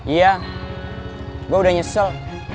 iya gue udah nyesel